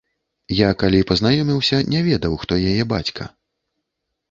Я, калі пазнаёміўся, не ведаў, хто яе бацька.